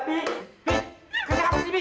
tih kena apa sih bi